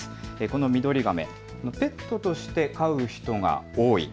このミドリガメ、ペットとして飼う人が多い